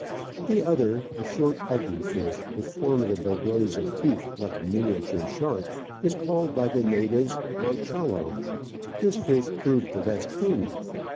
The other, a short, ugly fish, with formidable rows of teeth like a miniature shark, is called by the natives Moncholo ; this fish proved the best food.